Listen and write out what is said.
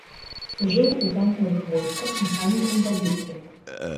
Служыў у танкавых войсках механікам-вадзіцелем.